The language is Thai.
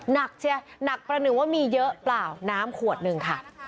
เชียร์หนักประหนึ่งว่ามีเยอะเปล่าน้ำขวดหนึ่งค่ะ